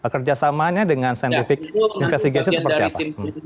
kerjasamanya dengan scientific investigation seperti apa